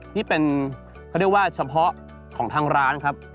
นี่เป็นเขาเรียกว่าเฉพาะของทางร้านครับ